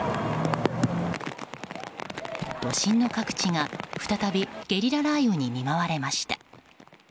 都心の各地が再びゲリラ雷雨に見舞われました。